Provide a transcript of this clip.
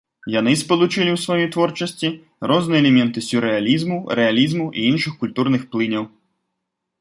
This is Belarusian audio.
Яны спалучылі ў сваёй творчасці розныя элементы сюррэалізму, рэалізму і іншых культурных плыняў.